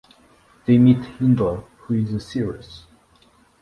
They meet Hyndla who is a seeress.